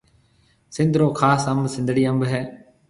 سنڌ رو خاص انڀ سنڌڙِي انڀ هيَ۔